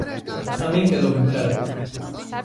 A min quedoume claro.